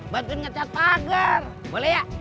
bagian ngecat pagar boleh ya